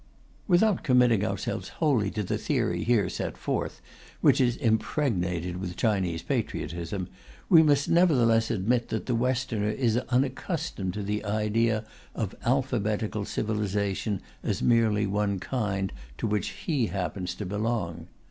Without committing ourselves wholly to the theory here set forth, which is impregnated with Chinese patriotism, we must nevertheless admit that the Westerner is unaccustomed to the idea of "alphabetical civilization" as merely one kind, to which he happens to belong.